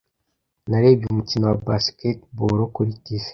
Narebye umukino wa basketball kuri TV.